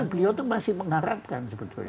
beliau itu masih mengharapkan sebetulnya